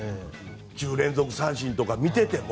１０連続三振とか見てても。